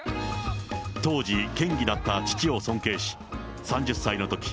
当時、県議だった父を尊敬し、３０歳のとき、